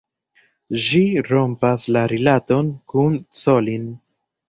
Ŝi rompas la rilaton kun Colin.